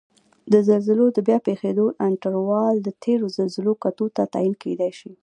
د زلزلو د بیا پېښیدو انټروال د تېرو زلزلو کتو ته تعین کېدای شي